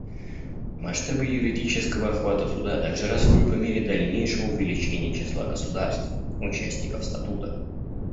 Масштабы юридического охвата Суда также растут по мере дальнейшего увеличения числа государств — участников Статута.